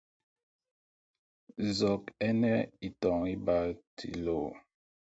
Zɔk ɛ nɛ ithɔ̌ŋ iɓá tí lô.